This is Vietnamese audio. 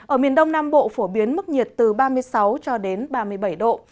ở miền đông nam bộ phổ biến mức nhiệt từ ba mươi sáu cho đến ba mươi bảy độ